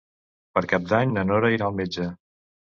Per Cap d'Any na Nora irà al metge.